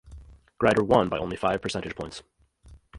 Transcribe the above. Grider won by only five percentage points.